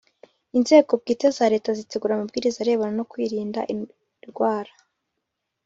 Inzego bwite za Leta zitegura amabwiriza arebana no kwirinda irwara